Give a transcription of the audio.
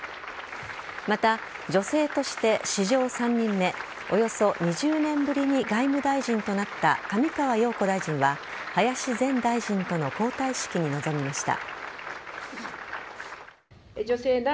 また、女性として史上３人目およそ２０年ぶりに外務大臣となった上川陽子大臣は林前大臣との交代式に臨みました。